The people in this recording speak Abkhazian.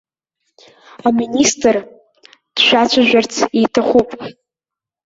Аминистр дшәацәажәарц иҭахуп.